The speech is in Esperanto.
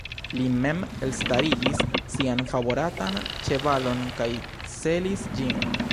Li mem elstaligis sian favoratan ĉevalon kaj selis ĝin.